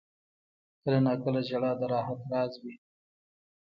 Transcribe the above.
• کله ناکله ژړا د راحت راز وي.